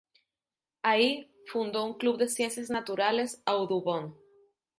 Ahí, fundó un club de ciencias naturales Audubon.